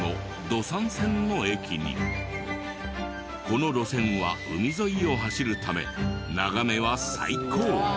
この路線は海沿いを走るため眺めは最高！